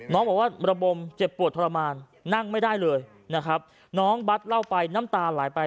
น้องบอกว่าระบมเจ็บปวดทรมานนั่งไม่ได้เลยนะครับน้องบัตรเล่าไปน้ำตาไหลไป